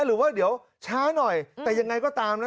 หรือว่าเดี๋ยวช้าหน่อยแต่ยังไงก็ตามนะ